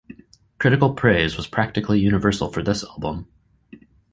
Critical praise was practically universal for this album.